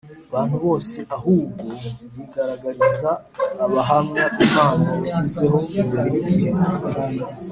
bantu bose ahubwo yigaragariza abahamya Imana yashyizeho mbere y igihe